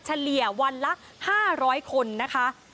เฉลี่ยวันละ๕๐๐คนนะคะ